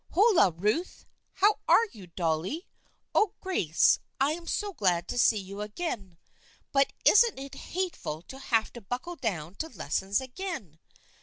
" Holloa, Ruth! How are you, Dolly? Oh, Grace, I'm so glad to see you again ! But isn't it hateful to have to buckle down to lessons again